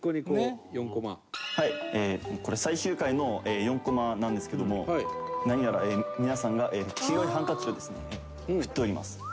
颯喜君：これ、最終回の４コマなんですけども何やら皆さんが黄色いハンカチをですね振っております。